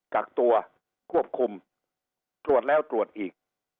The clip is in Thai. กักตัวควบคุมตรวจแล้วตรวจอีก